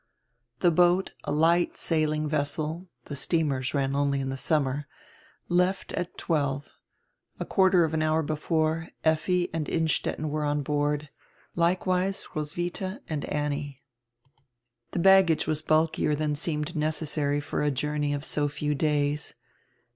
The boat, a light sailing vessel (tire steamers ran only in the summer) left at twelve. A quarter of an hour before, Effi and Innstetten were on board; likewise Roswitha and Annie. The baggage was bulkier than seemed necessary for a journey of so few days.